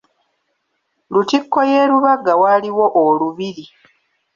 Lutikko y’e Rubaga waaliwo olubiri.